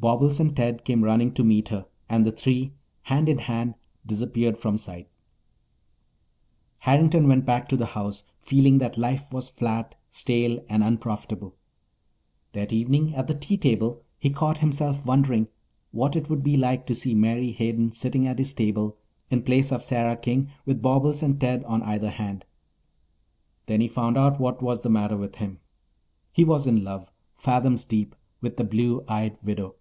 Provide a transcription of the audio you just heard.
Bobbles and Ted came running to meet her and the three, hand in hand, disappeared from sight. Harrington went back to the house, feeling that life was flat, stale, and unprofitable. That evening at the tea table he caught himself wondering what it would be like to see Mary Hayden sitting at his table in place of Sarah King, with Bobbles and Ted on either hand. Then he found out what was the matter with him. He was in love, fathoms deep, with the blue eyed widow!